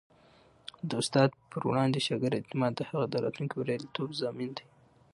د استاد پر وړاندې د شاګرد اعتماد د هغه د راتلونکي بریالیتوب ضامن دی.